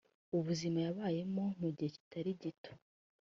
ubuzima yabayemo mu gihe kitari gito